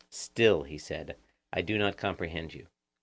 Still, he said, I do not comprehend you.